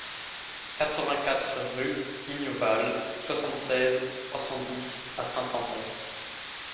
quatre-vingt-quatre rue d'Ignauval, soixante-seize, trois cent dix à Sainte-Adresse